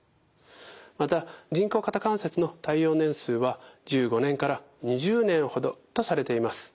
また人工肩関節の耐用年数は１５年から２０年ほどとされています。